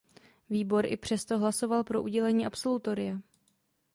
Výbor i přes to hlasoval pro udělení absolutoria.